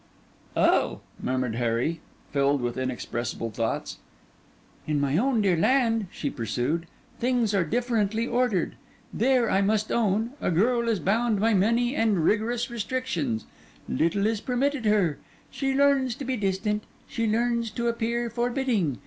'Oh!' murmured Harry, filled with inexpressible thoughts. 'In my own dear land,' she pursued, 'things are differently ordered. There, I must own, a girl is bound by many and rigorous restrictions; little is permitted her; she learns to be distant, she learns to appear forbidding.